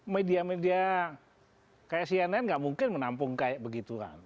media media kayak cnn gak mungkin menampung kayak begituan